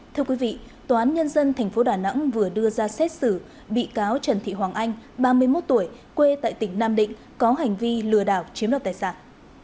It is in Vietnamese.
thưa quý vị tòa án nhân dân tp đà nẵng vừa đưa ra xét xử bị cáo trần thị hoàng anh ba mươi một tuổi quê tại tỉnh nam định có hành vi lừa đảo chiếm đoạt tài sản